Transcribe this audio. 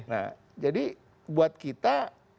nah jadi buat kita